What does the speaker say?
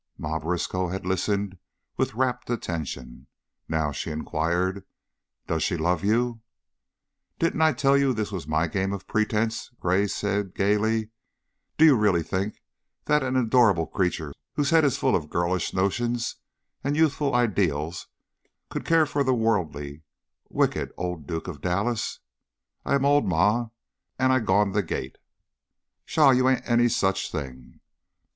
Ma Briskow had listened with rapt attention. Now, she inquired, "Does she love you?" "Didn't I tell you this was my game of pretense?" Gray said, gayly. "Do you really think that an adorable creature whose head is full of girlish notions and youthful ideals could care for the worldly, wicked old Duke of Dallas? I am old, Ma, and I've gone the gait." "Pshaw! You ain't any such thing."